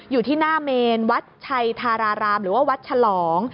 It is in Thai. อยู่ที่หน้าเมนวัดชัยธารารามหรือว่าวัดฉลอง